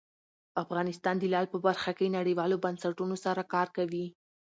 افغانستان د لعل په برخه کې نړیوالو بنسټونو سره کار کوي.